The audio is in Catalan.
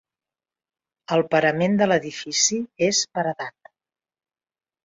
El parament de l'edifici és paredat.